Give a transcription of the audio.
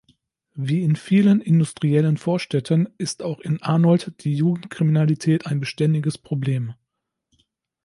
Wie in vielen industriellen Vorstädten ist auch in Arnold die Jugendkriminalität ein beständiges Problem.